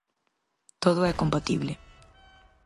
Todo é compatible.